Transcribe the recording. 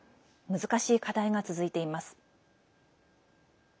難しい課題が続いています。